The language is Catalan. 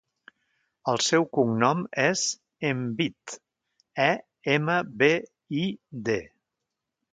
El seu cognom és Embid: e, ema, be, i, de.